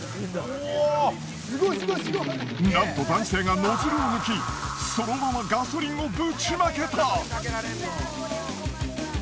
なんと男性がノズルを抜きそのままガソリンをぶちまけた！